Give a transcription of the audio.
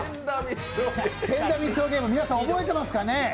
ゲーム、皆さん覚えていますかね？